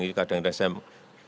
jadi kadang kadang saya